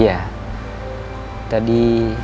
gak ada lagi